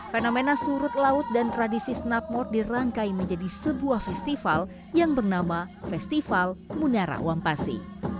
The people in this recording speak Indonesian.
fenomena surut laut dan tradisi snapmort dirangkai menjadi sebuah festival yang bernama festival munara wampasi